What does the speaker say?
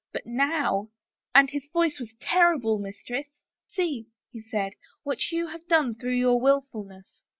But now '— and his voice was terrible, mistress! — ^*see,' he said, / what you have done through your willfulness.